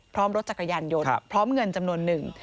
พร้อมรถจักรยานยนต์พร้อมเงินจำนวนหนึ่ง